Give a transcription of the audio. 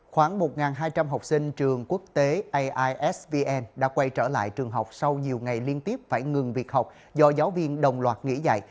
khoảng một hai trăm linh học sinh trường quốc tế aisvn đã quay trở lại trường học sau nhiều ngày liên tiếp phải ngừng việc học do giáo viên đồng loạt nghỉ dạy